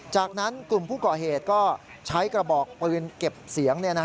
จากนั้นกลุ่มผู้ก่อเหตุก็ใช้กระบอกปืนเก็บเสียง